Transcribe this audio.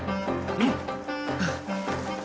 うん。